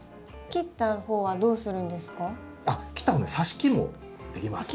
切った方はどうするんですか？